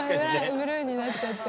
ブルーになっちゃって。